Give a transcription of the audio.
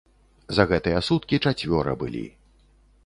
За гэтыя суткі чацвёра былі.